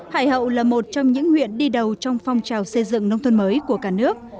hải hậu là một trong những huyện đi đầu trong phong trào xây dựng nông thôn mới của cả nước